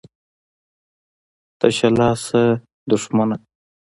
ـ تشه لاسه دښمنه.